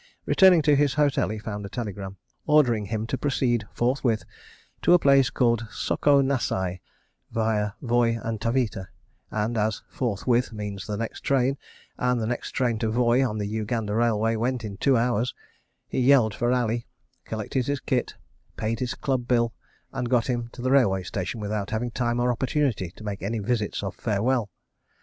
Returning to his hotel, he found a telegram ordering him to proceed "forthwith" to a place called Soko Nassai via Voi and Taveta, and as "forthwith" means the next train, and the next train to Voi on the Uganda Railway went in two hours, he yelled for Ali, collected his kit, paid his Club bill and got him to the railway station without having time or opportunity to make any visits of farewell.